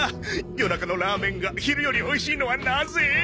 夜中のラーメンが昼よりおいしいのはなぜ？